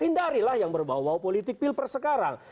hindarilah yang berbawah politik pil per sekarang